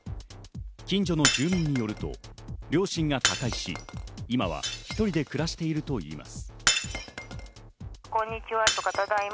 近所の住民によると、両親が他界し、今は１人で暮らしているといいます。